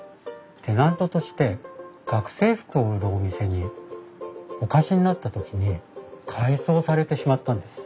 テナントとして学生服を売るお店にお貸しになった時に改装されてしまったんです。